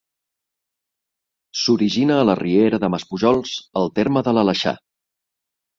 S'origina a la Riera de Maspujols, al terme de l'Aleixar.